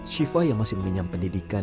syifa yang masih menginyam pendidikan